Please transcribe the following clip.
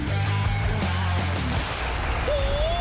โอ้โห